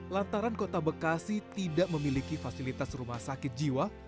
lantaran kota bekasi tidak memiliki fasilitas rumah sakit jiwa